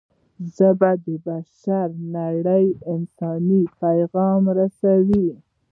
ژبه د بشري نړۍ انساني پیغام رسوي